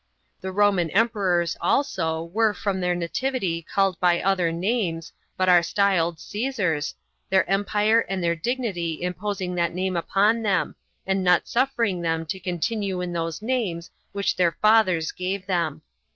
The Roman emperors also were from their nativity called by other names, but are styled Cæsars, their empire and their dignity imposing that name upon them, and not suffering them to continue in those names which their fathers gave them.